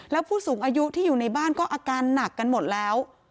แล้วผู้สูงอายุที่อยู่ในบ้านก็อาการหนักกันหมดแล้ว